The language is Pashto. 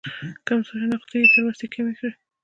کمزورې نقطې یې تر وسې کمې کړې.